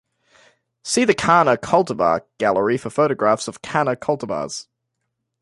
See the "Canna" cultivar gallery for photographs of "Canna" cultivars.